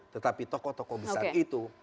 tetapi tokoh tokoh besar itu